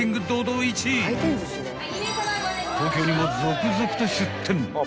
［東京にも続々と出店］